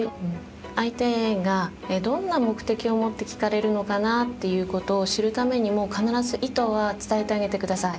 相手がどんな目的を持って聞かれるのかなっていうことを知るためにも必ず意図は伝えてあげてください。